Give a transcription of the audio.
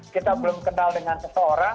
kita belum kenal dengan seseorang